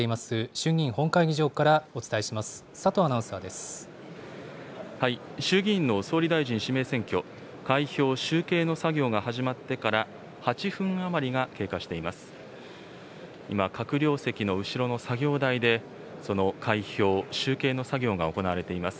衆議院の総理大臣指名選挙、開票・集計の作業が始まってから、８分余りが経過しています。